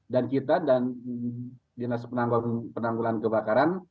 dan kita dan dinas penanggulan kebakaran